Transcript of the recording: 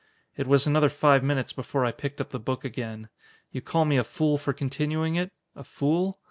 It was another five minutes before I picked up the book again. You call me a fool for continuing it? A fool?